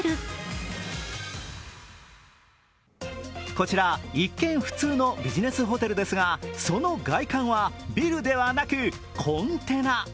こちら一見普通のビジネスホテルですがその外観はビルではなくコンテナ。